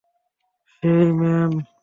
হেই, Sam!